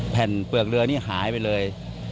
เปลือกเรือนี่หายไปเลย